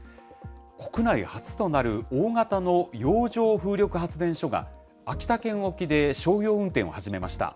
国内初となる大型の洋上風力発電所が、秋田県沖で商業運転を始めました。